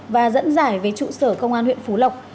và dẫn giải về trụ sở công an huyện phú lộc